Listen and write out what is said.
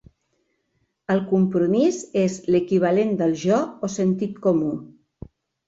El compromís és l'equivalent del jo o sentit comú.